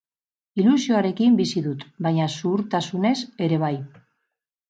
Ilusioarekin bizi dut, baina zuhurtasunez ere bai.